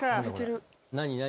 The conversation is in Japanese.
何何？